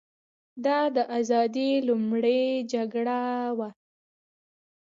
دا د ازادۍ لومړۍ جګړه وه.